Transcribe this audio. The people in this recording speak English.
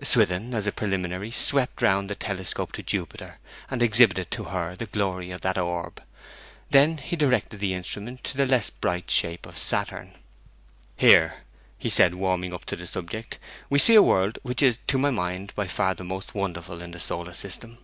Swithin, as a preliminary, swept round the telescope to Jupiter, and exhibited to her the glory of that orb. Then he directed the instrument to the less bright shape of Saturn. 'Here,' he said, warming up to the subject, 'we see a world which is to my mind by far the most wonderful in the solar system.